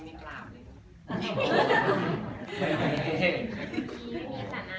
ไม่เห็น